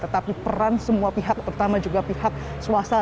tetapi peran semua pihak terutama juga pihak swasta